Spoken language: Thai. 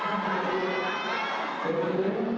สวัสดีครับ